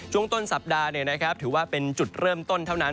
ช่วงต้นสัปดาห์ถือว่าเป็นจุดเริ่มต้นเท่านั้น